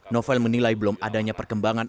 novel menilai belum adanya perkembangan